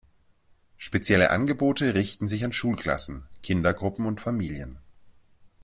Spezielle Angebote richten sich an Schulklassen, Kindergruppen und Familien.